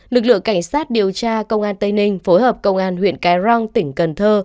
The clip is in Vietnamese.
lực lượng cảnh sát điều tra công an tây ninh phối hợp công an huyện cái răng tỉnh cần thơ